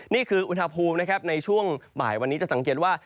นี่คืออุณหภูมินะครับในช่วงบ่ายวันนี้จะสังเกตว่า